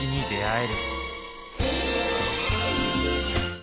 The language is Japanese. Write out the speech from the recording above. え？